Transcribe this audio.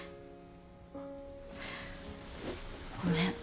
ごめん。